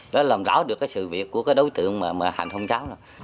đó làm rõ được sự việc của đối tượng mà hành hôn cháu